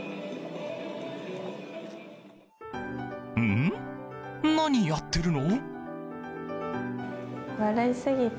ん、何やってるの？